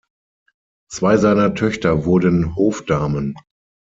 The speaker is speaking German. Zwei seiner Töchter wurden Hofdamen.